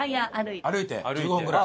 歩いて１５分ぐらい。